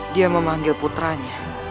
dia memanggil putranya